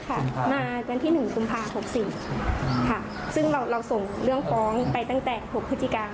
ใช่ค่ะมาที่หนึ่งกุมภาคมหกสี่ค่ะซึ่งเราเราส่งเรื่องฟ้องไปตั้งแต่หกพฤศจิกา